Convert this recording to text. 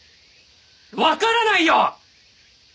わからないよ！